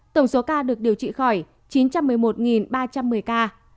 tổng số ca được điều trị khỏi chín trăm một mươi một ba trăm một mươi ca